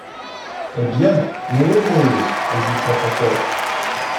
Eh bien! mourons pour lui. — Hésitant encore.